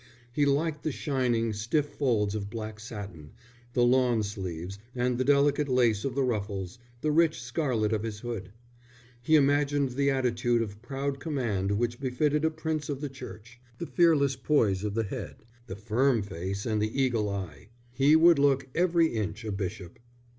He liked the shining, stiff folds of black satin, the lawn sleeves, and the delicate lace of the ruffles, the rich scarlet of his hood. He imagined the attitude of proud command which befitted a Prince of the Church, the fearless poise of the head, the firm face and the eagle eye. He would look every inch a bishop.